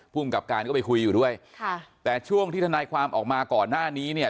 ภูมิกับการก็ไปคุยอยู่ด้วยค่ะแต่ช่วงที่ทนายความออกมาก่อนหน้านี้เนี่ย